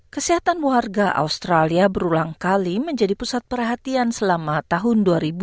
kesehatan warga australia berulang kali menjadi pusat perhatian selama tahun dua ribu dua puluh tiga